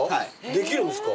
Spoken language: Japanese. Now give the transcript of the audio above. できるんですか？